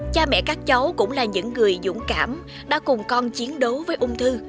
cha mẹ các cháu cũng là những người dũng cảm đã cùng con chiến đấu với ung thư